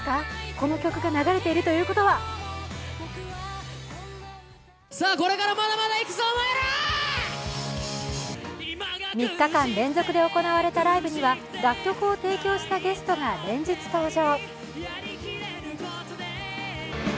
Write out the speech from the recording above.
この曲が流れているということは３日間連続で行われたライブには楽曲を提供したゲストが連日登場。